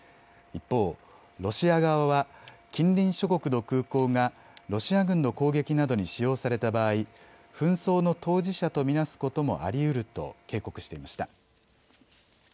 一方、ロシア側は近隣諸国の空港がロシア軍の攻撃などに使用された場合、紛争の当事者と見なすこともありうると警告していました。